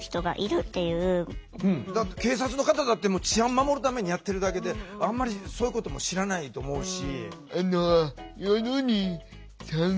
警察の方だって治安守るためにやってるだけであんまりそういうことも知らないと思うし。